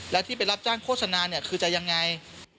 แล้วที่ไปรับจ้างโฆษณาเนี่ยคือจะยังไง